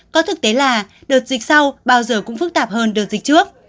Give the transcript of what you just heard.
có thực tế là đợt dịch sau bao giờ cũng phức tạp hơn đợt dịch trước